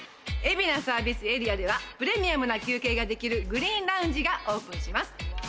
海老名サービスエリアではプレミアムな休憩ができるＧＲＥＥＮＬＯＵＮＧＥがオープンします。